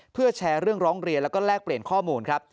เพื่อแชร์เรื่องร้องเรียนแล้วก็แลกเปลี่ยนข้อมูลครับ